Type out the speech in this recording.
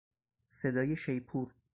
صدای شیپور